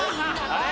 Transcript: あれ？